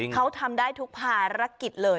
เขาทำได้ทุกภารกิจเลย